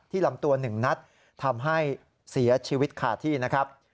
ลำตัว๑นัดทำให้เสียชีวิตขาดที่นะครับ